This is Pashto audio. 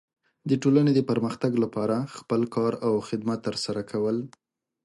د ټولنې د پرمختګ لپاره خپل کار او خدمت ترسره کول.